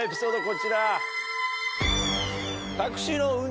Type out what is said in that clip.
こちら。